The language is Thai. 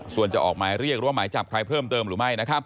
ส่วนจะออกมาเรียกรวมหมายจับใครเพิ่มเติมหรือไม่